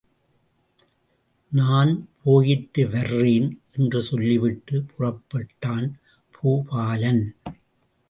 நான் போயிட்டுவர்றேன்″என்று சொல்லி விட்டுப் புறப்பட்டான் பூபாலன்.